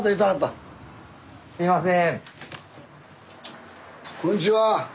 すいません。